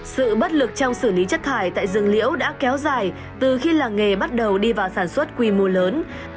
sự bất lực trong xử lý chất thải tại rừng liễu đã kéo dài từ khi làng nghề bắt đầu đi vào sản xuất quy mô lớn